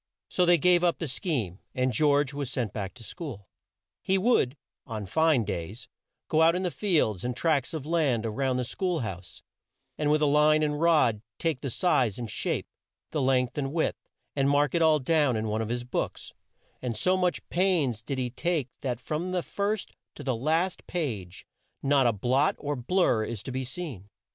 So they gave up the scheme, and George was sent back to school. He would, on fine days, go out in the fields and tracts of land a round the school house, and with line and rod take the size and shape, the length and width, and mark it all down in one of his books, and so much pains did he take that from the first to the last page not a blot or blur is to be seen.